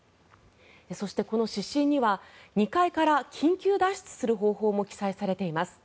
そして、この指針には２階から緊急脱出する方法も記載されています。